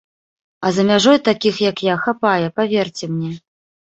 А за мяжой такіх, як я, хапае, паверце мне.